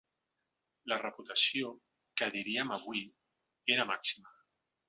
La reputació, que diríem avui, era màxima.